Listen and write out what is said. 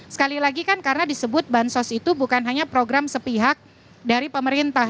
sekali lagi kan karena disebut bansos itu bukan hanya program sepihak dari pemerintah